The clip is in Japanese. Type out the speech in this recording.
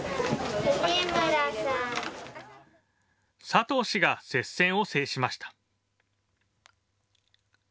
佐藤氏が接戦を制しました。